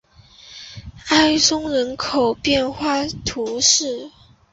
埃松人口变化图示